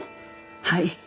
はい。